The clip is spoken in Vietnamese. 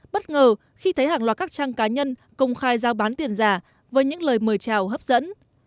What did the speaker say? bất ngờ khi thấy hàng loạt các trang cá nhân công khai giao bán tiền giả với những lời mời chào hấp dẫn